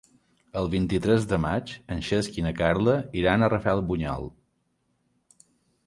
El vint-i-tres de maig en Cesc i na Carla iran a Rafelbunyol.